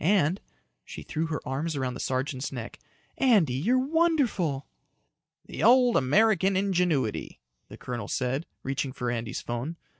And" she threw her arms around the sergeant's neck "Andy, you're wonderful." "The old American ingenuity," the colonel said, reaching for Andy's phone.